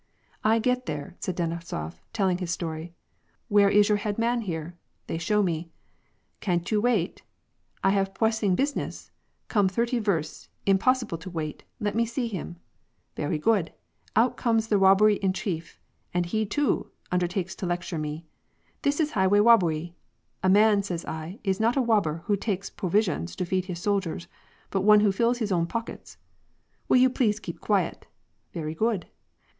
" 1 get there," said Denisof, telling his story. "' Where is your head man here ?' They show me. * Can't you wait ?'* I have pwessing business ; come thirty versts, impossible to wait ; let me see him !' Vewy good : out comes the wobber in chief, he too undertakes to lecture me :' This is highway wobbewy.' ' A man,' says I, ^ is not a wobl)er, who takes pwo ^visions to feed his soldiers, but one who fills his own pockets.' —' Will you please keep quiet !'* Vewy good.'